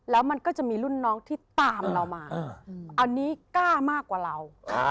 แล้วมันก็จะมีรุ่นน้องที่ตามเรามาอันนี้กล้ามากกว่าเรา